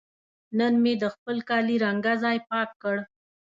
نن مې د خپل کالي رنګه ځای پاک کړ.